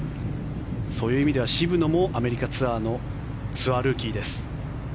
そういう意味では渋野もアメリカツアーのツアールーキーです。